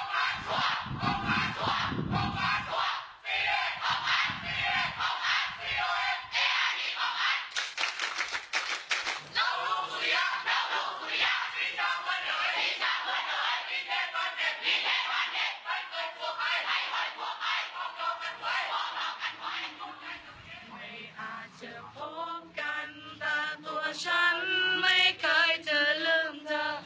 ไม่อาจจะพบกันต่อตัวฉันไม่เคยจะลืมเธอ